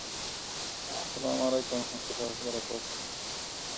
He was impressed by their loyalty and granted their request.